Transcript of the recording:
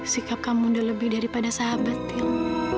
sikap kamu udah lebih daripada sahabat yang